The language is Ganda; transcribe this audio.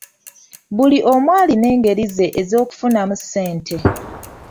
Buli omu alina engeri ze ez'okufunamu ssente.